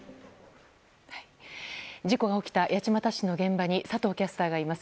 事故が起きた八街市の現場に佐藤キャスターがいます。